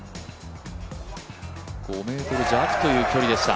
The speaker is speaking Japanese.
５ｍ弱という距離でした。